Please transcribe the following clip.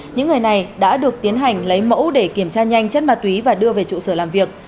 những người này đã được tiến hành lấy mẫu để kiểm tra nhanh chất ma túy và đưa về trụ sở làm việc